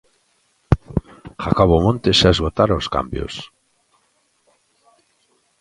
Jacobo Montes xa esgotara os cambios.